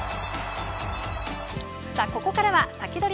ここからはサキドリ！